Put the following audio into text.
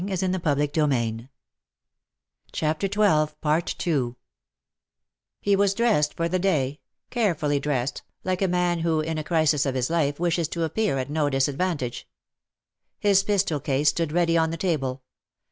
278 " SHE STOOD UP IN BITTER CASE, He was dressed for the day — carefully dressed, like a man who in a crisis of his life wishes to appear at no disadvantage. His pistol case stood ready on the table.